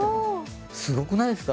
すごくないですか？